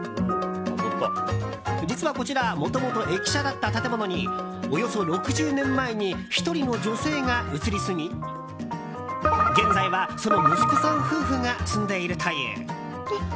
実は、こちらもともと駅舎だった建物におよそ６０年前に１人の女性が移り住み現在は、その息子さん夫婦が住んでいるという。